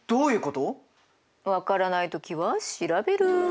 分からない時は調べる。